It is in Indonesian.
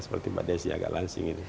seperti mbak desi agak lansing ini